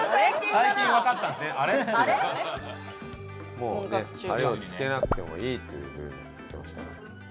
もうねタレをつけなくてもいいという風に言ってました。